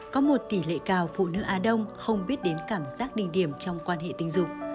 có một tỷ lệ cao phụ nữ á đông không biết đến cảm giác đỉnh điểm trong quan hệ tình dục